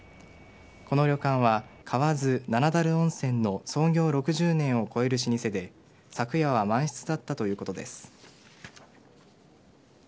この旅館は河津七滝温泉の創業６０年を超える老舗で昨夜は満室だったということです。